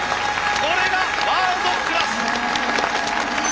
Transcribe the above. これがワールドクラス！